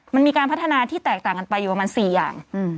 มันมีการพัฒนาที่แตกต่างกันไปอยู่ประมาณ๔อย่าง